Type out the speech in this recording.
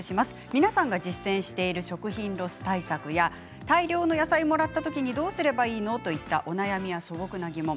皆さんが実践している食品ロス対策や大量の野菜をもらった時にどうすればいいの。といったお悩みや素朴な疑問